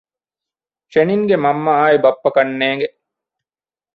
ޝެނިންގެ މަންމައާއި ބައްޕަ ކަންނޭނގެ